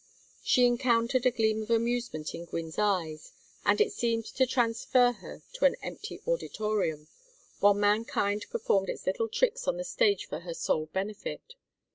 She encountered a gleam of amusement in Gwynne's eyes, and it seemed to transfer her to an empty auditorium, while mankind performed its little tricks on the stage for her sole benefit.